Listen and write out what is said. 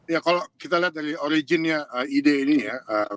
ya kalau kita lihat dari originnya ide ini ya